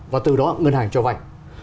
và từ đó ngân hàng cho vậy